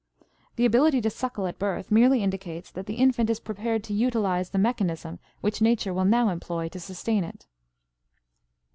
The ability to suckle at birth merely indicates that the infant is prepared to utilize the mechanism which nature will now employ to sustain it.